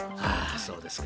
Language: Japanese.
そうですか。